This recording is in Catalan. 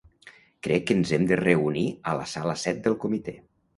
Crec que ens hem de reunir a la sala set del comitè.